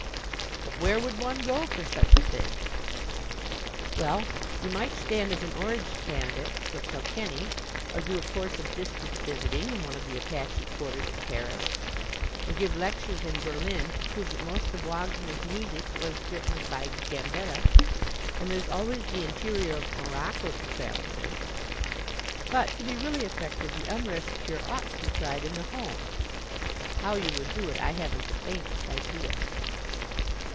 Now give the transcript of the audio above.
"But where would one go for such a thing?" "Well, you might stand as an Orange candidate for Kilkenny, or do a course of district visiting in one of the Apache quarters of Paris, or give lectures in Berlin to prove that most of Wagner's music was written by Gambetta; and there's always the interior of Morocco to travel in. But, to be really effective, the Unrest cure ought to be tried in the home. How you would do it I haven't the faintest idea."